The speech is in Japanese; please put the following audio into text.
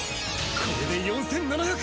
これで４７００！